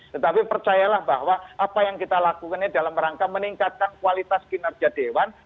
tetapi percayalah bahwa apa yang kita lakukan ini dalam rangka meningkatkan kualitas kinerja dewan